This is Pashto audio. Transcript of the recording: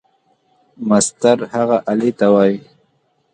مسطر هغې آلې ته وایي.